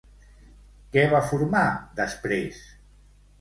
Què va formar després?